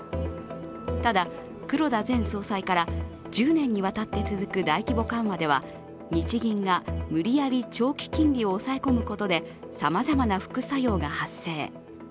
ただ、黒田前総裁から１０年にわたって続く大規模緩和では日銀が無理やり長期金利を抑え込むことでさまざまな副作用が発生。